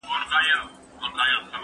زه به تکړښت کړی وي!؟